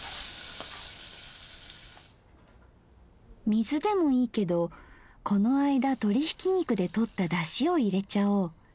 水でもいいけどこの間鶏ひき肉でとっただしを入れちゃおう。